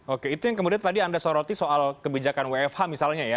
oke itu yang kemudian tadi anda soroti soal kebijakan wfh misalnya ya